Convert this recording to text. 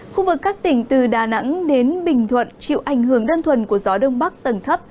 khu vực các tỉnh từ đà nẵng đến bình thuận chịu ảnh hưởng đơn thuần của gió đông bắc tầng thấp